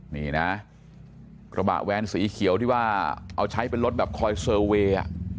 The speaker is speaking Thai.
นี่นะกระบะแวนสีเขียวที่ว่าเอาใช้เป็นรถแบบคอยเซอร์เวย์